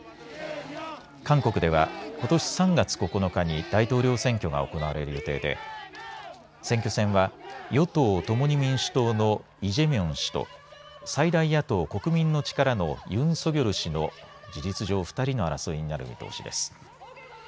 韓国では、ことし３月９日に大統領選挙が行われる予定で選挙戦は与党、共に民主党のイ・ジェミョン氏と最大野党、国民の力のユン・ソギョル氏の事実上２人の争いになる見通しです。